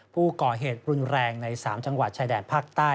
ผู้ก่อเหตุรุนแรงใน๓จังหวัดชายแดนภาคใต้